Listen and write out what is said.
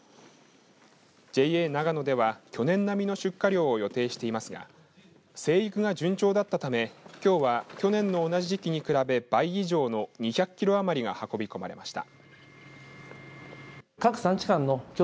ＪＡながのでは去年並みの出荷量を予定していますが生育が順調だったためきょうは去年の同じ時期に比べ倍以上の２００キロ余りが運び込まれました。